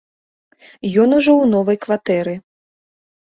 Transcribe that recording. Ён ужо ў новай кватэры.